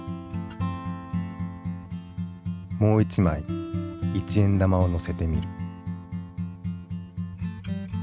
もう一枚一円玉をのせてみる。